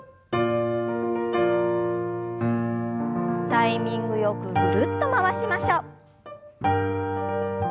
タイミングよくぐるっと回しましょう。